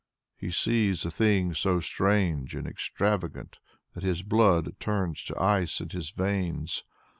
He sees a thing so strange and extravagant that his blood turns to ice in his veins.